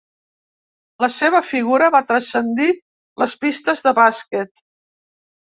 La seva figura va transcendir les pistes de bàsquet.